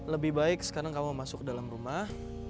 lebih baik sekarang kamu masuk ke dalam rumah